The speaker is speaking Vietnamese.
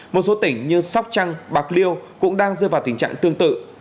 một số tỉnh như sóc trăng bạc liêu cũng đang rơi vào tình trạng tương tự